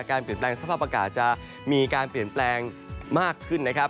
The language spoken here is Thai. เปลี่ยนแปลงสภาพอากาศจะมีการเปลี่ยนแปลงมากขึ้นนะครับ